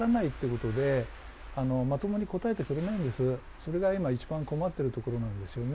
それが今一番困ってるところなんですよね。